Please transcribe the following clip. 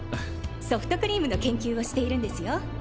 ソフトクリームの研究をしているんですよ。